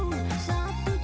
satu jam sejak